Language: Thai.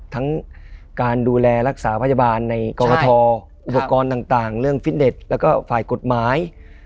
ทั้งการดูแลรักษาพยาบาลในกรกฐอุปกรณ์ต่างเรื่องฟิตเน็ตแล้วก็ฝ่ายกฎหมาย